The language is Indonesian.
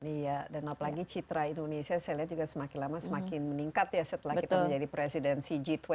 iya dan apalagi citra indonesia saya lihat juga semakin lama semakin meningkat ya setelah kita menjadi presidensi g dua puluh